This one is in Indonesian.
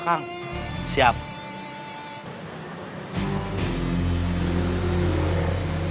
ya udah dia sudah selesai